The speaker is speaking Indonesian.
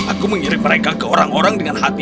aku mengirim mereka ke orang orang dengan hati